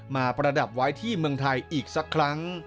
ประดับไว้ที่เมืองไทยอีกสักครั้ง